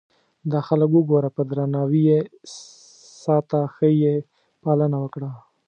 دا خلک وګوره په درناوي یې ساته ښه یې پالنه وکړه.